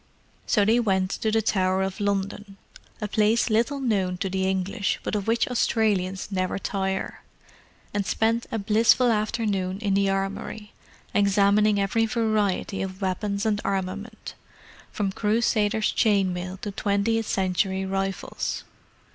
So they went to the Tower of London—a place little known to the English, but of which Australians never tire—and spent a blissful afternoon in the Armoury, examining every variety of weapons and armament, from Crusaders' chain mail to twentieth century rifles.